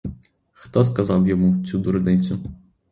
Хто сказав йому цю дурницю?